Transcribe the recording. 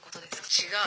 「違う。